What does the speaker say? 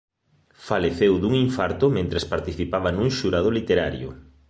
Faleceu dun infarto mentres participaba nun xurado literario.